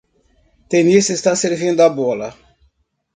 Tenista está servindo a bola.